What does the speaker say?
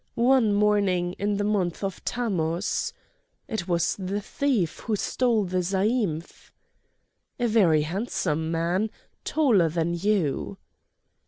"One morning in the month of Tammouz!" "It was the thief who stole the zaïmph!" "A very handsome man!" "Taller than you!"